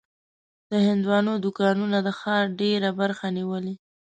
د هندوانو دوکانونه د ښار ډېره برخه نیولې.